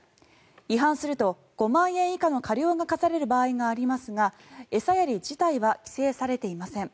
違反すると５万円以下の過料が科される場合がありますが餌やり自体は規制されていません。